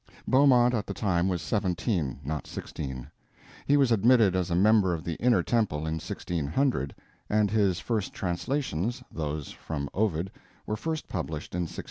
Beaumont at the time was 17, not 16. He was admitted as a member of the Inner Temple in 1600, and his first translations, those from Ovid, were first published in 1602.